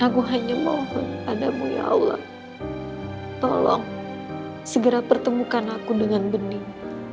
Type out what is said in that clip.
aku hanya mohon padamu ya allah tolong segera pertemukan aku dengan bening